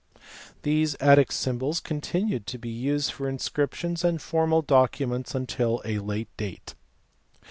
These Attic symbols continued to be used for inscriptions and formal documents until a late date.